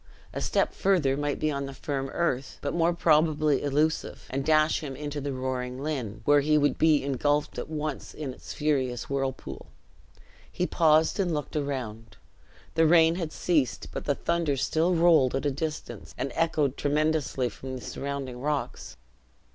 A step further might be on the firm earth, but more probably illusive, and dash him into the roaring Lynn, where he would be ingulfed at once in its furious whirlpool. He paused and looked around. The rain had ceased, but the thunder still rolled at a distance and echoed tremendously from the surrounding rocks.